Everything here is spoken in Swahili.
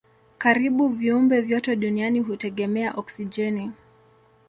Karibu viumbe vyote duniani hutegemea oksijeni.